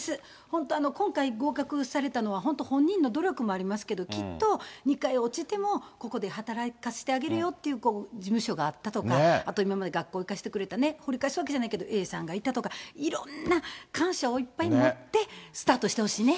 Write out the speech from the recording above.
本当、今回、合格されたのは、本当、本人の努力もありますけど、きっと２回落ちてもここで働かせてあげるよっていう事務所があったとか、あと今まで学校行かしてくれた、掘り返しじゃないけど、Ａさんがいたとか、いろんな感謝をいっぱい持ってスタートしてほしいね。